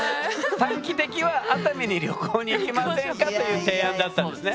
短期的は「熱海に旅行に行きませんか」という提案だったんですね？